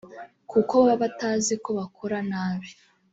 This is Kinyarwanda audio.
kuko baba batazi ko bakora nabi